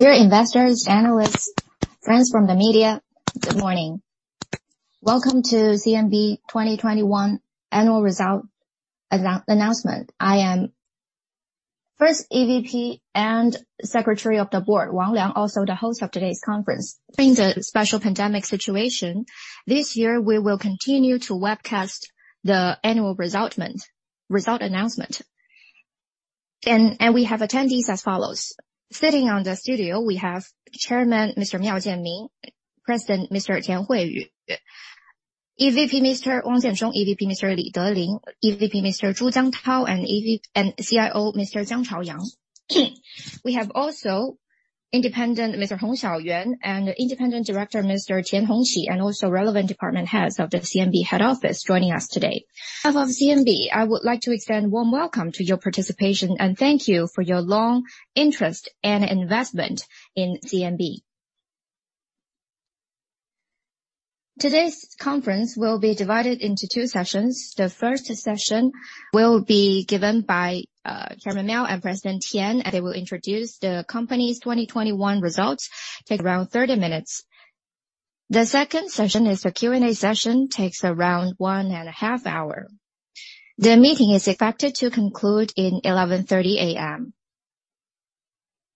Dear investors, analysts, friends from the media, good morning. Welcome to CMB 2021 annual results announcement. I am First EVP and Secretary of the Board, Wang Liang, also the host of today's conference. In the special pandemic situation, this year, we will continue to webcast the annual results announcement. We have attendees as follows. Sitting on the studio, we have Chairman Mr. Miao Jianmin, President Mr. Tian Huiyu, EVP Mr. Wang Jianzhong, EVP Mr. Li Delin, EVP Mr. Zhu Jiangtao, and CIO Mr. Jiang Chaoyang. We have also independent Mr. Hong Xiaoyuan and Independent Director Mr. Tian Hongqi, and also relevant department heads of the CMB head office joining us today. Of CMB, I would like to extend a warm welcome to your participation, and thank you for your long interest and investment in CMB. Today's conference will be divided into two sessions. The first session will be given by Chairman Miao and President Tian, and they will introduce the company's 2021 results. It takes around 30 minutes. The second session is the Q&A session. It takes around 1.5 hours. The meeting is expected to conclude at 11:30 A.M.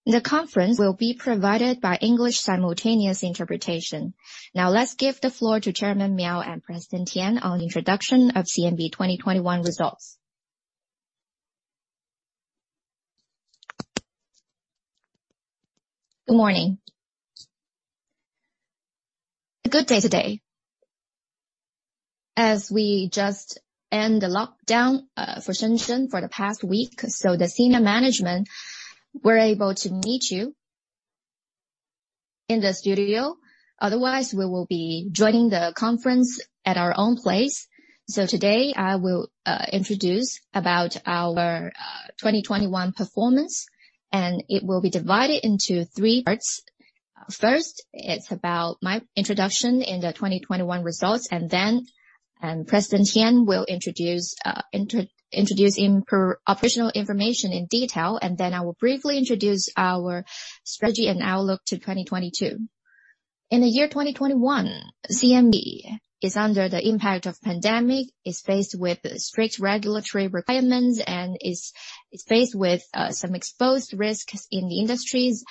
The conference will be provided by English simultaneous interpretation. Now, let's give the floor to Chairman Miao and President Tian on the introduction of CMB 2021 results. Good morning. Good day today. As we just end the lockdown for Shenzhen for the past week, so the senior management were able to meet you in the studio. Otherwise, we will be joining the conference at our own place. Today, I will introduce about our 2021 performance, and it will be divided into three parts. First, it's about my introduction in the 2021 results, and then President Tian will introduce operational information in detail, and then I will briefly introduce our strategy and outlook to 2022. In the year 2021, CMB is under the impact of pandemic, is faced with strict regulatory requirements, and is faced with some exposed risks in the industries.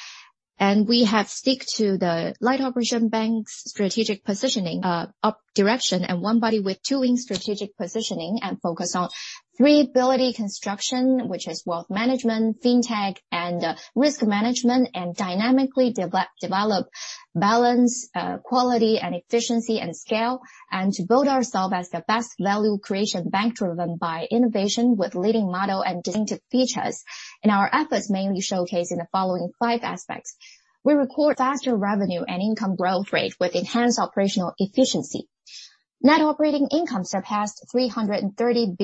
We have stick to the light operation bank strategic positioning, up direction, and one body with two wing strategic positioning and focus on three ability construction, which is wealth management, fintech and risk management, and dynamically develop balance, quality and efficiency and scale, and to build ourselves as the best value creation bank driven by innovation with leading model and distinctive features. Our efforts mainly showcase in the following five aspects. We record faster revenue and income growth rate with enhanced operational efficiency. Net operating income surpassed 330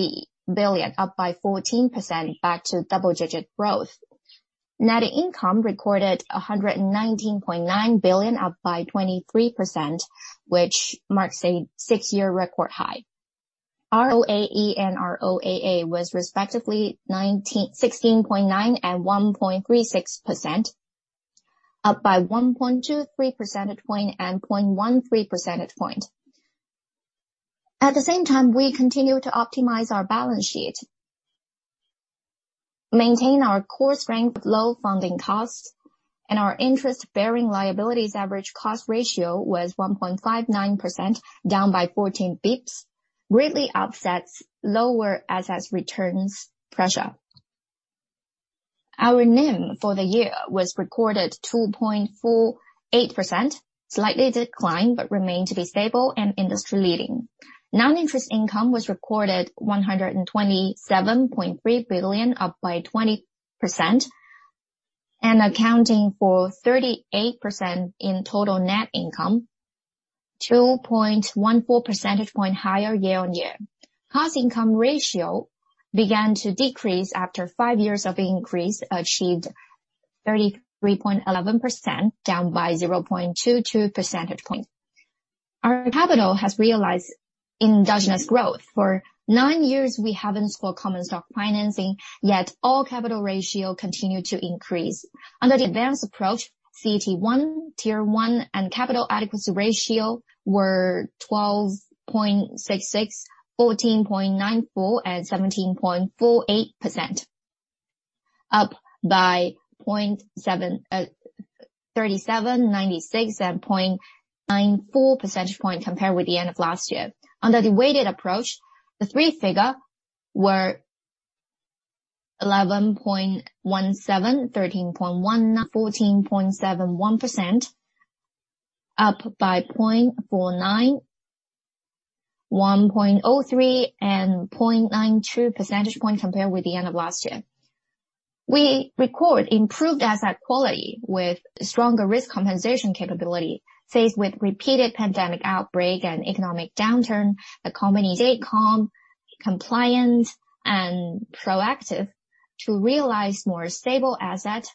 billion, up by 14% back to double-digit growth. Net income recorded 119.9 billion, up by 23%, which marks a 6-year record high. ROAE and ROAA was respectively 16.9% and 1.36%, up by 1.23 percentage point and 0.13 percentage point. At the same time, we continue to optimize our balance sheet, maintain our core strength with low funding costs, and our interest-bearing liabilities average cost ratio was 1.59%, down by 14 basis points, greatly offsets lower assets returns pressure. Our NIM for the year was recorded 2.48%, slightly declined but remained to be stable and industry leading. Non-interest income was recorded 127.3 billion, up by 20% and accounting for 38% in total net income, 2.14 percentage points higher year-on-year. Cost income ratio began to decrease after 5 years of increase, achieved 33.11%, down by 0.22 percentage points. Our capital has realized endogenous growth. For 9 years, we haven't sought common stock financing, yet all capital ratio continued to increase. Under the advanced approach, CET1, Tier 1 and capital adequacy ratio were 12.66%, 14.94%, and 17.48%, up by 0.7, 0.37, 0.96, and 0.94 percentage points compared with the end of last year. Under the weighted approach, the three figures were 11.17%, 13.1%, 14.71%, up by 0.49, 1.03, and 0.92 percentage points compared with the end of last year. We record improved asset quality with stronger risk compensation capability. Faced with repeated pandemic outbreak and economic downturn, the company stay calm, compliant and proactive to realize more stable asset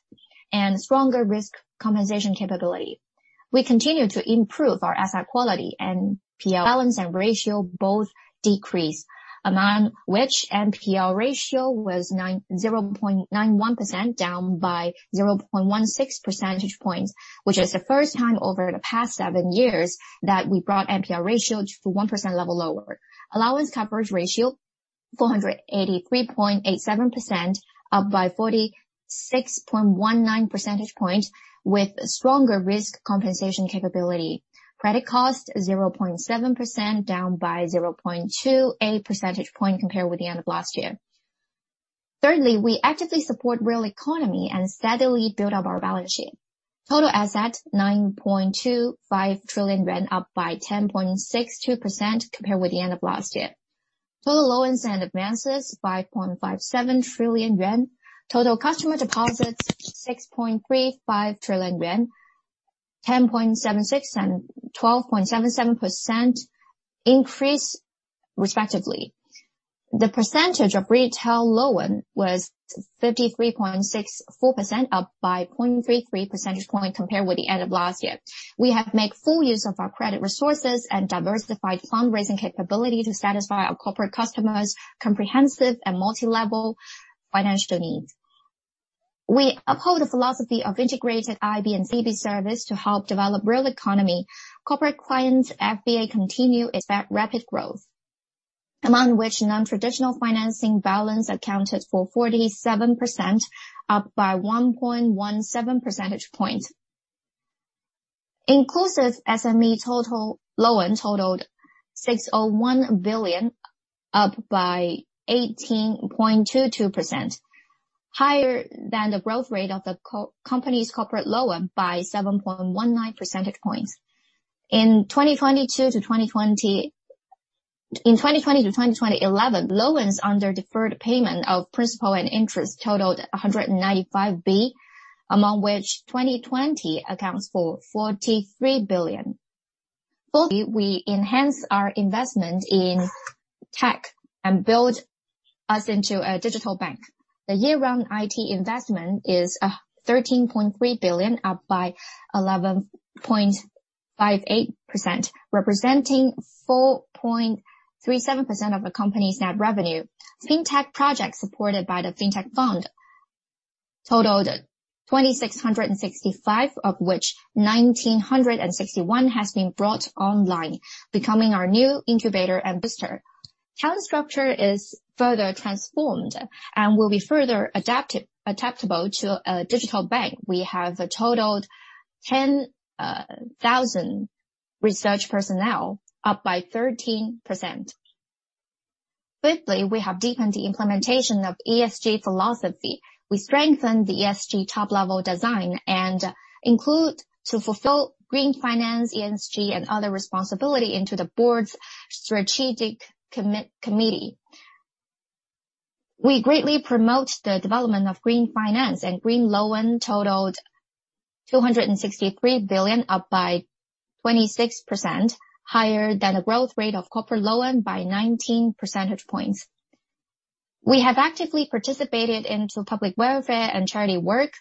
and stronger risk compensation capability. We continue to improve our asset quality and NPL balance and ratio both decrease. Among which NPL ratio was 0.91%, down by 0.16 percentage points, which is the first time over the past seven years that we brought NPL ratio to one percent level lower. Allowance coverage ratio 483.87%, up by 46.19 percentage points with stronger risk compensation capability. Credit cost 0.7%, down by 0.28 percentage point compared with the end of last year. Thirdly, we actively support real economy and steadily build up our balance sheet. Total assets 9.25 trillion, up by 10.62% compared with the end of last year. Total loans and advances 5.57 trillion yuan. Total customer deposits 6.35 trillion yuan. 10.76% and 12.77% increase respectively. The percentage of retail loan was 53.64%, up by 0.33 percentage point compared with the end of last year. We have made full use of our credit resources and diversified fundraising capability to satisfy our corporate customers comprehensive and multilevel financial needs. We uphold the philosophy of integrated IB and CB service to help develop real economy. Corporate clients FPA continues its rapid growth, among which non-traditional financing balance accounted for 47%, up by 1.17 percentage points. Inclusive SME total loan totaled 601 billion, up by 18.22%, higher than the growth rate of the company's corporate loan by 7.19 percentage points. In 2020 to 2021, loans under deferred payment of principal and interest totaled 195 billion, among which 2020 accounts for 43 billion. Fourthly, we enhance our investment in tech and build us into a digital bank. The year-round IT investment is 13.3 billion, up by 11.58%, representing 4.37% of the company's net revenue. Fintech projects supported by the Fintech fund totaled 2,665, of which 1,961 has been brought online, becoming our new incubator investor. Talent structure is further transformed and will be further adaptable to a digital bank. We have totaled 10,000 research personnel, up by 13%. Fifthly, we have deepened the implementation of ESG philosophy. We strengthen the ESG top-level design and include to fulfill green finance, ESG, and other responsibility into the board's strategic committee. We greatly promote the development of green finance and green loan totaled 263 billion, up by 26%, higher than the growth rate of corporate loan by 19 percentage points. We have actively participated into public welfare and charity work.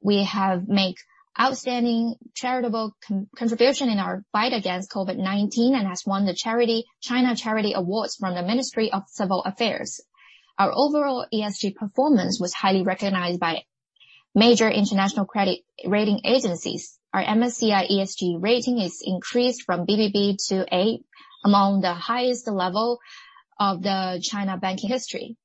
We have make outstanding charitable contribution in our fight against COVID-19 and has won the China Charity Award from the Ministry of Civil Affairs. Our overall ESG performance was highly recognized by major international credit rating agencies. Our MSCI ESG rating is increased from BBB to A, among the highest level of the China banking history.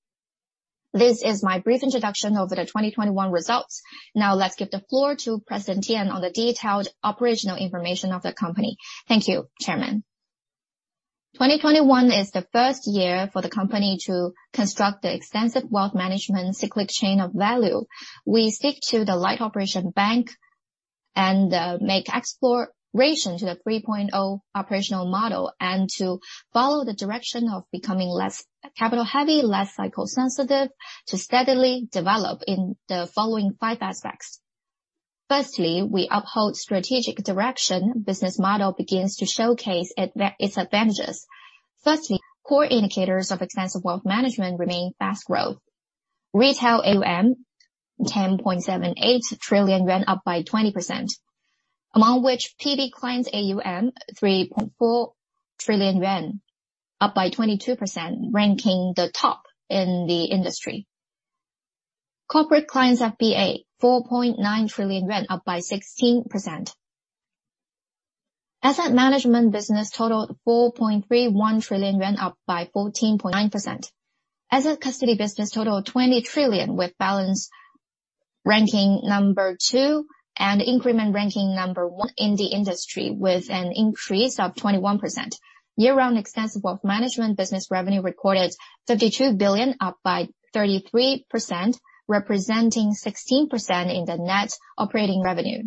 This is my brief introduction of the 2021 results. Now let's give the floor to President Tian on the detailed operational information of the company. Thank you, Chairman. 2021 is the first year for the company to construct the extensive wealth management cyclic chain of value. We stick to the light operation bank and, make exploration to the 3.0 operational model and to follow the direction of becoming less capital-heavy, less cycle sensitive, to steadily develop in the following five aspects. We uphold strategic direction. Business model begins to showcase its advantages. Core indicators of extensive wealth management remain fast growth. Retail AUM 10.78 trillion yuan, up by 20%. Among which PB clients AUM 3.4 trillion yuan, up by 22%, ranking the top in the industry. Corporate clients FPA 4.9 trillion yuan, up by 16%. Asset management business totaled 4.31 trillion yuan, up by 14.9%. Asset custody business totaled 20 trillion with balance ranking No. 2 and increment ranking No. 1 in the industry with an increase of 21%. Year-round extensive wealth management business revenue recorded 52 billion, up by 33%, representing 16% in the net operating revenue.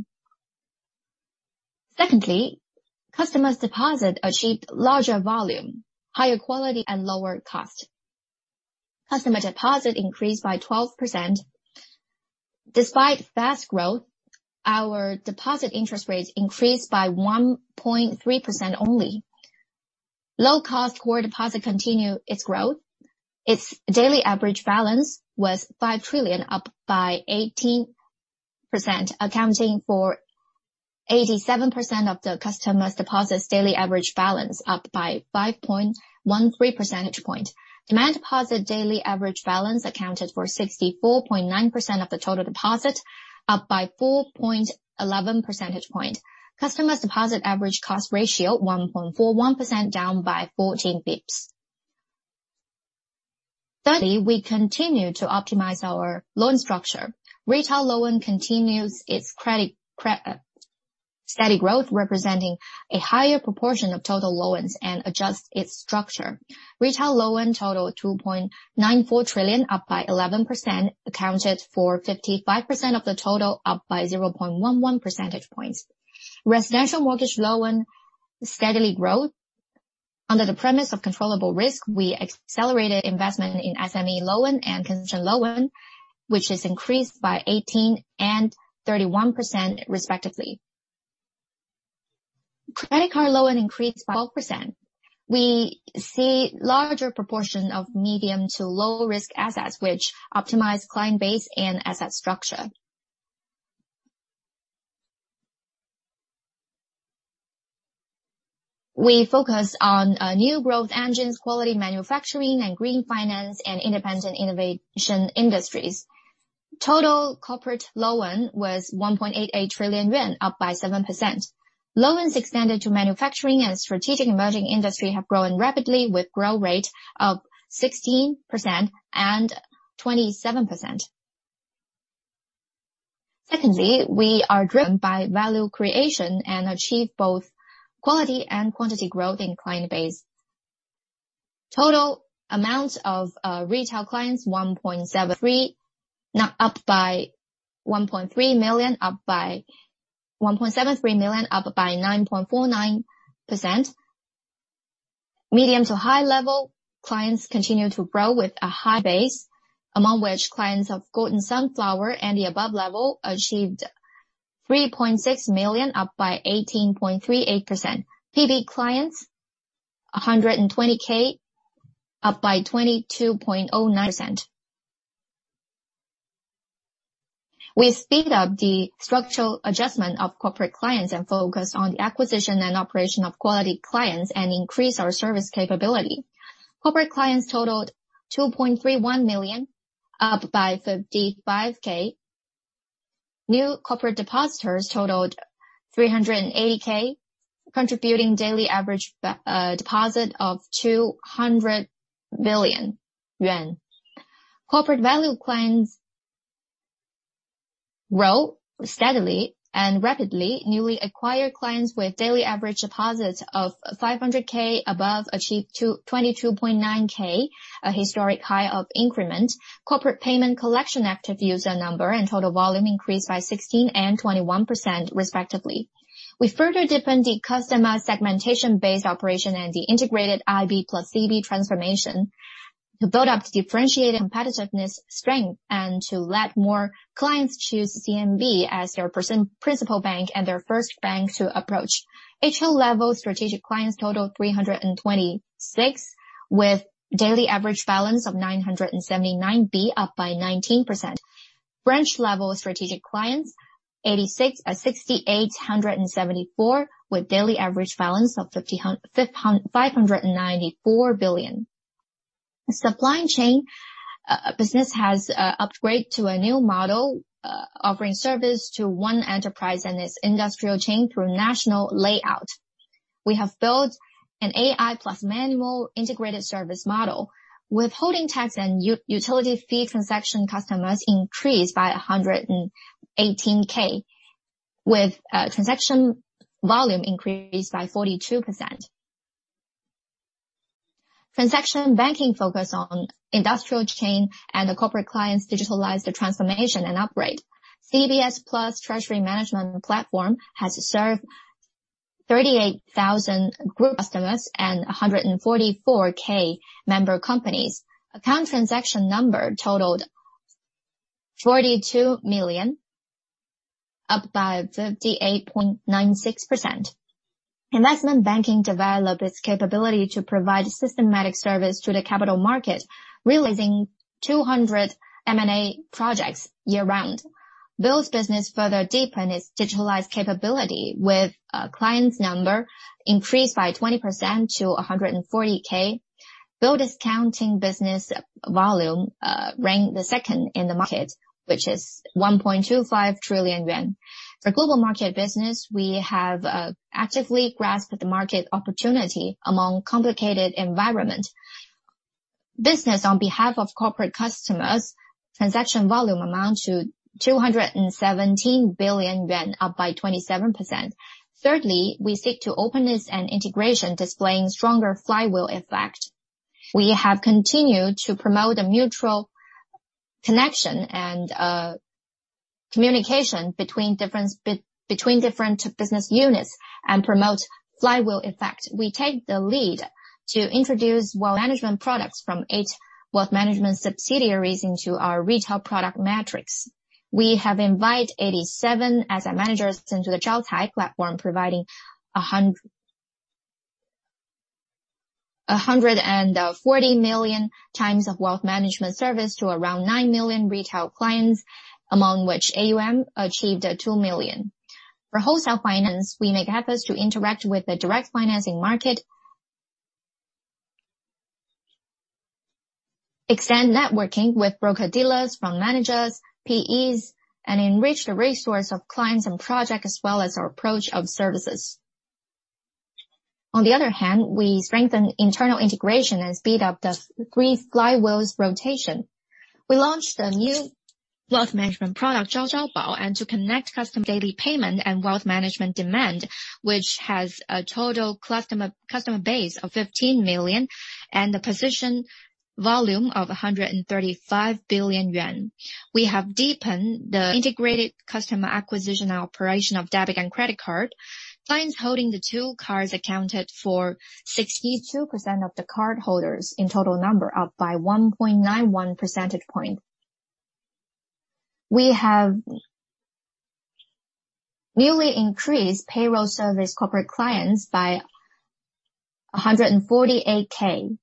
Customers' deposit achieved larger volume, higher quality and lower cost. Customer deposit increased by 12%. Despite fast growth, our deposit interest rates increased by 1.3% only. Low cost core deposit continue its growth. Its daily average balance was 5 trillion, up by 18%, accounting for 87% of the customer's deposits daily average balance, up by 5.13 percentage points. Demand deposit daily average balance accounted for 64.9% of the total deposit, up by 4.11 percentage points. Customer's deposit average cost ratio 1.41%, down by 14 bps. Thirdly, we continue to optimize our loan structure. Retail loan continues its steady growth, representing a higher proportion of total loans and adjusts its structure. Retail loan total 2.94 trillion, up by 11%, accounted for 55% of the total, up by 0.11 percentage points. Residential mortgage loan steadily grow. Under the premise of controllable risk, we accelerated investment in SME loan and consumer loan, which is increased by 18% and 31% respectively. Credit card loan increased by 12%. We see larger proportion of medium to low-risk assets which optimize client base and asset structure. We focus on new growth engines, quality manufacturing, and green finance and independent innovation industries. Total corporate loan was 1.88 trillion yuan, up by 7%. Loans extended to manufacturing and strategic emerging industry have grown rapidly with growth rate of 16% and 27%. Secondly, we are driven by value creation and achieve both quality and quantity growth in client base. Total amount of retail clients, 173 million, up by 13 million, up by 9.49%. Medium to high-level clients continue to grow with a high base, among which clients of Golden Sunflower and the above level achieved 3.6 million, up by 18.38%. PB clients, 120K, up by 22.09%. We speed up the structural adjustment of corporate clients and focus on the acquisition and operation of quality clients and increase our service capability. Corporate clients totaled 2.31 million, up by 55K. New corporate depositors totaled 380K, contributing daily average deposit of 200 billion yuan. Corporate value clients grew steadily and rapidly. Newly acquired clients with daily average deposits of 500K above achieved 22.9K, a historic high of increment. Corporate payment collection active user number and total volume increased by 16% and 21% respectively. We further deepen the customized segmentation-based operation and the integrated IB plus CB transformation to build up differentiated competitiveness strength, and to let more clients choose CMB as their principal bank and their first bank to approach. HQ-level strategic clients totaled 326, with daily average balance of 979 billion, up 19%. Branch level strategic clients, 8,674, with daily average balance of 594 billion. Supply chain business has upgraded to a new model, offering service to one enterprise and its industrial chain through national layout. We have built an AI plus manual integrated service model. Withholding tax and utility fee transaction customers increased by 118K, with transaction volume increased by 42%. Transaction banking focuses on industrial chain and the corporate clients digital transformation and upgrade. CBS plus treasury management platform has served 38,000 group customers and 144K member companies. Account transaction number totaled 42 million, up by 58.96%. Investment banking developed its capability to provide systematic service to the capital market, releasing 200 M&A projects year-round. Bills business further deepened its digitalized capability with clients number increased by 20% to 144K. Bill discounting business volume ranked second in the market, which is 1.25 trillion yuan. For global market business, we have actively grasped the market opportunity in complicated environment. Business on behalf of corporate customers, transaction volume amounted to 217 billion yuan, up by 27%. Thirdly, we seek openness and integration, displaying stronger flywheel effect. We have continued to promote a mutual connection and communication between different business units and promote flywheel effect. We take the lead to introduce wealth management products from eight wealth management subsidiaries into our retail product metrics. We have invited 87 asset managers into the Zhao Cai Hao, providing 140 million times of wealth management service to around 9 million retail clients, among which AUM achieved 2 million. For wholesale finance, we make efforts to interact with the direct financing market. We extend networking with broker-dealers, fund managers, PEs, and enrich the resources of clients and projects as well as our approaches to services. We strengthen internal integration and speed up the three flywheels rotation. We launched a new wealth management product, Zhao Zhao Bao, and to connect customers' daily payment and wealth management demand, which has a total customer base of 15 million and a position volume of 135 billion yuan. We have deepened the integrated customer acquisition operation of debit and credit card. Clients holding the two cards accounted for 62% of the cardholders in total number, up by 1.91 percentage points. We have newly increased payroll service corporate clients by 148,000.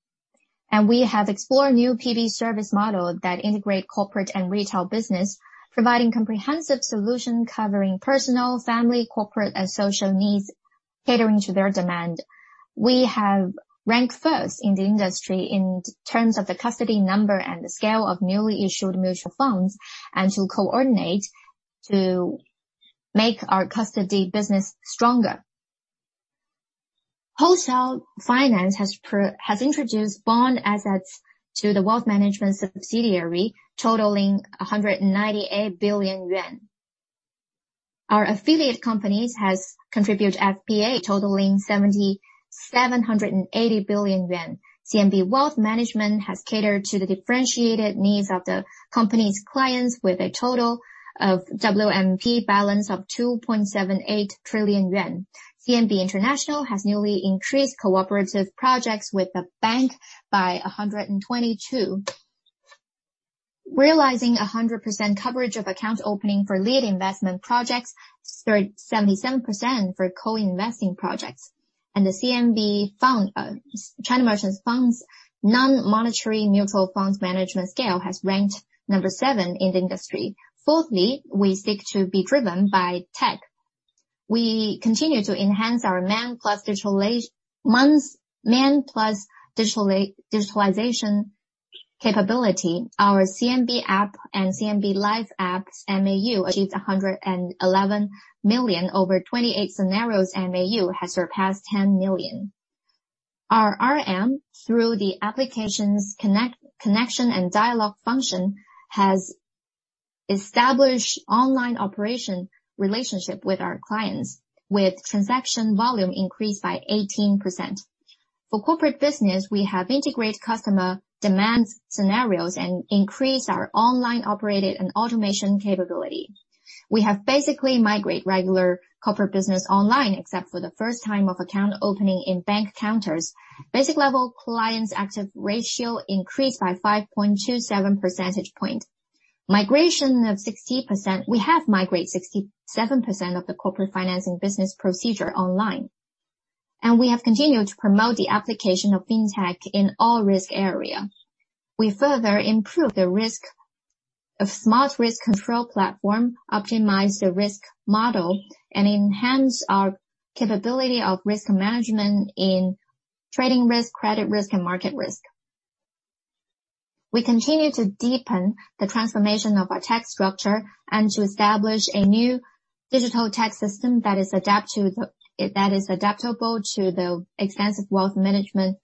We have explored new PB service model that integrate corporate and retail business, providing comprehensive solution covering personal, family, corporate, and social needs, catering to their demand. We have ranked first in the industry in terms of the custody number and the scale of newly issued mutual funds and to coordinate to make our custody business stronger. Wholesale finance has introduced bond assets to the wealth management subsidiary, totaling 198 billion yuan. Our affiliate companies has contributed FPA totaling 7,780 billion yuan. CMB Wealth Management has catered to the differentiated needs of the company's clients with a total of WMP balance of 2.78 trillion yuan. CMB International has newly increased cooperative projects with the bank by 122, realizing 100% coverage of account opening for lead investment projects, 77% for co-investing projects. The CMB fund, China Merchants Fund, non-monetary mutual funds management scale has ranked number 7 in the industry. Fourthly, we seek to be driven by tech. We continue to enhance our man plus digitalization capability. Our CMB app and CMB Live app's MAU achieved 111 million. Over 28 scenarios, MAU has surpassed 10 million. Our RM, through the application's connection and dialogue function, has established online operation relationship with our clients, with transaction volume increased by 18%. For corporate business, we have integrated customer demand scenarios and increased our online operated and automation capability. We have basically migrate regular corporate business online, except for the first time of account opening in bank counters. Basic level clients active ratio increased by 5.27 percentage point. We have migrated 67% of the corporate financing business procedure online. We have continued to promote the application of fintech in all risk area. We further improve the risk of smart risk control platform, optimize the risk model, and enhance our capability of risk management in trading risk, credit risk, and market risk. We continue to deepen the transformation of our tech structure and to establish a new digital tech system that is adaptable to the extensive wealth management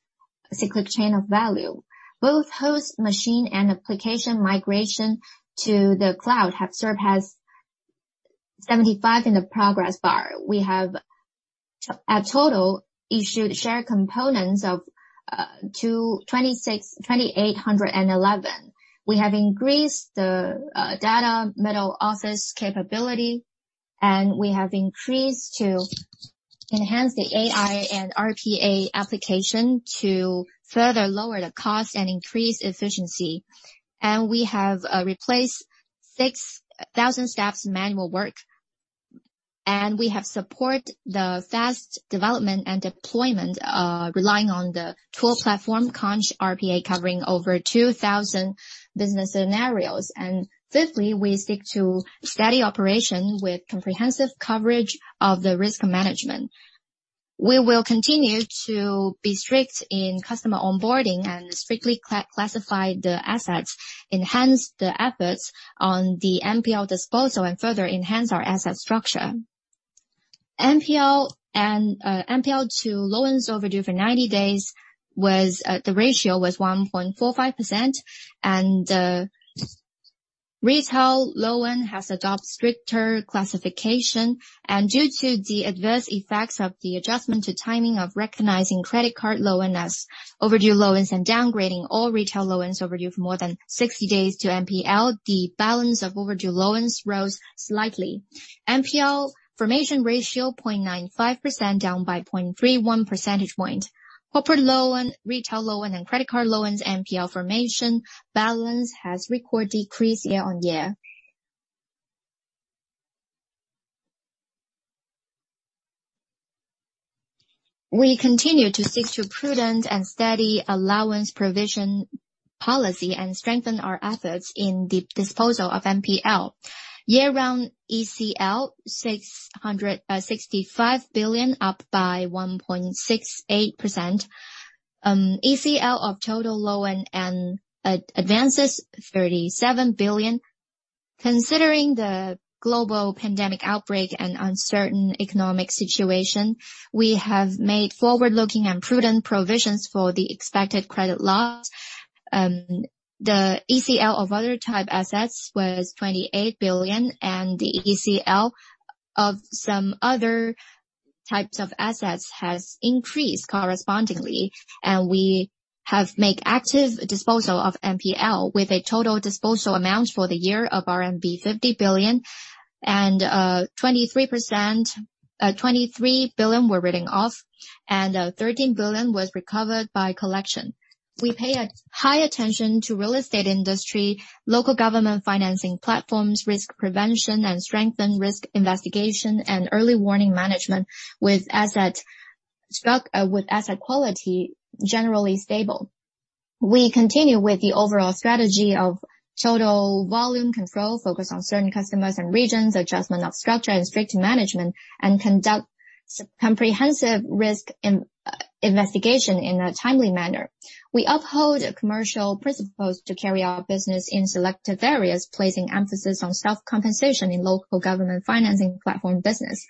cyclic chain of value. Both host machine and application migration to the cloud have surpassed 75%. We have a total issued share components of 226,811. We have increased the data middle office capability, and we have increased to enhance the AI and RPA application to further lower the cost and increase efficiency. We have replaced 6,000 staff's manual work. We have support the fast development and deployment relying on the tool platform, Conch RPA, covering over 2,000 business scenarios. Fifthly, we seek steady operation with comprehensive coverage of the risk management. We will continue to be strict in customer onboarding and strictly classify the assets, enhance the efforts on the NPL disposal, and further enhance our asset structure. NPL to loans overdue for 90 days was the ratio was 1.45%. Retail loan has adopted stricter classification. Due to the adverse effects of the adjustment to timing of recognizing credit card loan as overdue loans and downgrading all retail loans overdue for more than 60 days to NPL, the balance of overdue loans rose slightly. NPL formation ratio 0.95%, down by 0.31 percentage point. Corporate loan, retail loan, and credit card loans NPL formation balance has record decrease year on year. We continue to seek to prudent and steady allowance provision policy and strengthen our efforts in the disposal of NPL. Year-round ECL 665 billion, up by 1.68%. ECL of total loan and advances 37 billion. Considering the global pandemic outbreak and uncertain economic situation, we have made forward-looking and prudent provisions for the expected credit loss. The ECL of other type assets was 28 billion, and the ECL of some other types of assets has increased correspondingly. We have made active disposal of NPL with a total disposal amount for the year of RMB 50 billion, 23 billion were written off, and 13 billion was recovered by collection. We pay a high attention to real estate industry, local government financing platforms, risk prevention, and strengthen risk investigation and early warning management with asset quality generally stable. We continue with the overall strategy of total volume control, focus on certain customers and regions, adjustment of structure and strict management, and conduct comprehensive risk investigation in a timely manner. We uphold commercial principles to carry our business in selected areas, placing emphasis on self-compensation in local government financing platform business.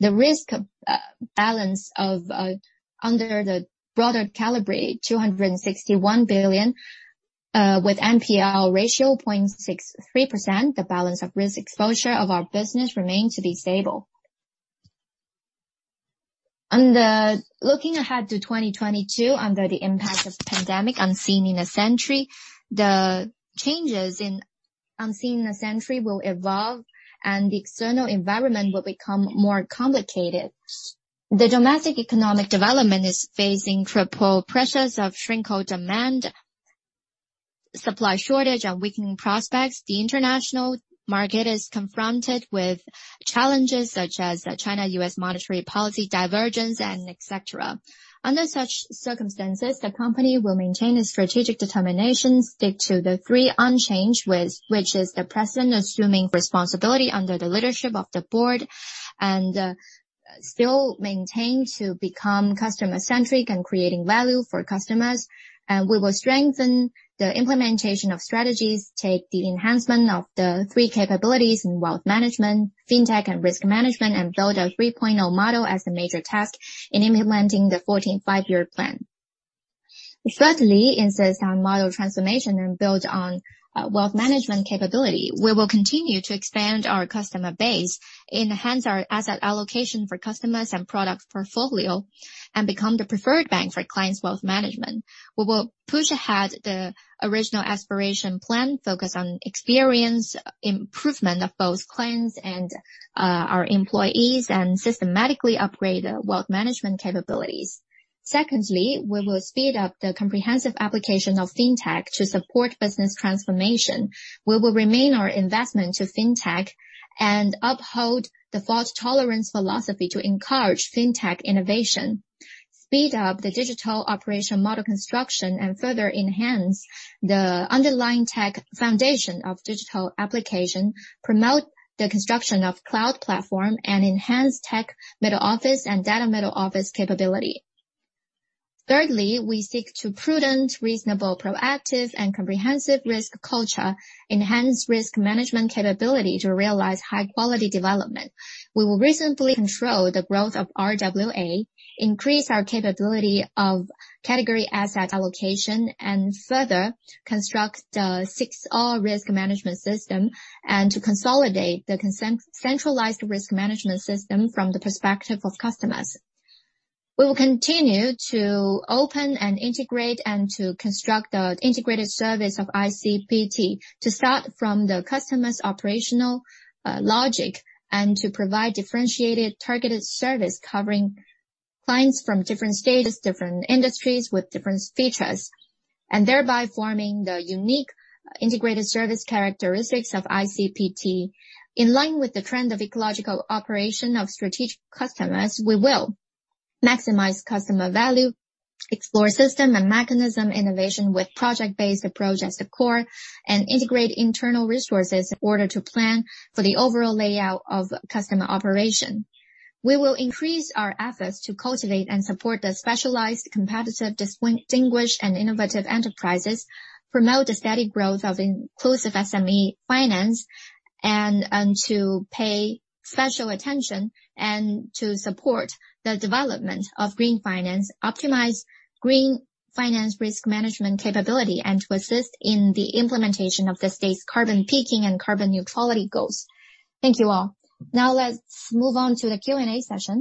The risk balance of under the broader category, 261 billion, with NPL ratio 0.63%. The balance of risk exposure of our business remain to be stable. Looking ahead to 2022, under the impact of pandemic unseen in a century, the changes unseen in a century will evolve, and the external environment will become more complicated. The domestic economic development is facing triple pressures of shrinking demand, supply shortage, and weakening prospects. The international market is confronted with challenges such as the China-US monetary policy divergence and et cetera. Under such circumstances, the company will maintain its strategic determination, stick to the three unchanged, which is the president assuming responsibility under the leadership of the board, and still maintain to become customer-centric and creating value for customers. We will strengthen the implementation of strategies, take the enhancement of the three capabilities in wealth management, fintech and risk management, and build a 3.0 model as a major task in implementing the 14th Five-Year Plan. Thirdly, insist on model transformation and build on wealth management capability. We will continue to expand our customer base, enhance our asset allocation for customers and product portfolio, and become the preferred bank for clients' wealth management. We will push ahead the Original Aspiration Plan, focus on experience improvement of both clients and our employees, and systematically upgrade the wealth management capabilities. Secondly, we will speed up the comprehensive application of fintech to support business transformation. We will maintain our investment to fintech and uphold the fault tolerance philosophy to encourage fintech innovation. Speed up the digital operation model construction and further enhance the underlying tech foundation of digital application. Promote the construction of cloud platform and enhance tech middle office and data middle office capability. Thirdly, we seek a prudent, reasonable, proactive and comprehensive risk culture, enhance risk management capability to realize high-quality development. We will reasonably control the growth of RWA, increase our capability of category asset allocation, and further construct the 6R Risk Management System and to consolidate the consolidated centralized risk management system from the perspective of customers. We will continue to open and integrate and to construct the integrated service of ICPT to start from the customer's operational logic and to provide differentiated targeted service covering clients from different stages, different industries with different features, and thereby forming the unique integrated service characteristics of ICPT. In line with the trend of ecological operation of strategic customers, we will maximize customer value, explore system and mechanism innovation with project-based approach as the core, and integrate internal resources in order to plan for the overall layout of customer operation. We will increase our efforts to cultivate and support the specialized, competitive, distinguished, and innovative enterprises, promote the steady growth of inclusive SME finance and to pay special attention and to support the development of green finance, optimize green finance risk management capability and to assist in the implementation of the state's carbon peaking and carbon neutrality goals. Thank you all. Now let's move on to the Q&A session.